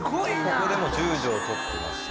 ここでも１０帖取ってまして。